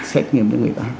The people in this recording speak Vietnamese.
xét nghiệm cho người ta